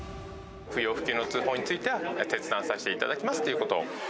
不要不急の通報については、切断させていただきますということ。